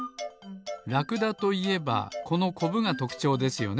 ラクダといえばこのコブがとくちょうですよね。